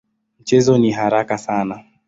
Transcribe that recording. Mchezo ni haraka sana.